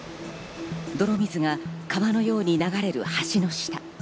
泥水が川のように流れる橋の下。